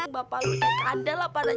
bapak lu yang kadelah pada